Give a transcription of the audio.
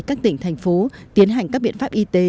các tỉnh thành phố tiến hành các biện pháp y tế